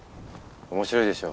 面白いでしょ。